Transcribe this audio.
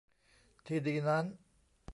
ที่ดีนั้น